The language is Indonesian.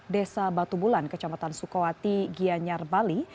desa batu bulan kecamatan sukowati gianyar bali